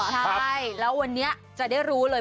ใช่แล้ววันนี้จะได้รู้เลย